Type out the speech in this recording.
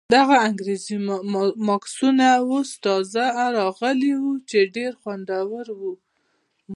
دغه انګریزي ماسکونه اوس تازه راغلي ول چې ډېر خوندور وو.